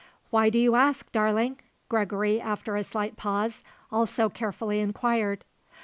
"Why do you ask, darling?" Gregory, after a slight pause, also carefully inquired.